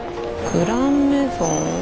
グランメゾン。